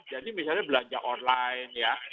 jadi misalnya belanja online ya